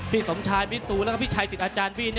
พี่สมชายมิสุและพี่ชัยสิทธิ์อาจารย์วิ